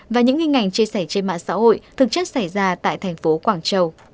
và những nghi ngành chia sẻ trên mạng xã hội thực chất xảy ra tại thành phố quảng châu